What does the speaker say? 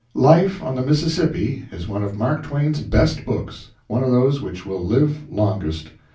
"Life on the Mississippi" is one of Mark Twain's best books one of those which will live longest.